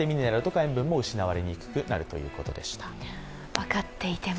分かっていても。